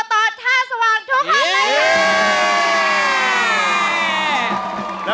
พี่แจ๊คช่วยยิ้มนะ